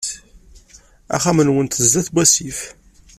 Axxam-nnunt sdat n wasif.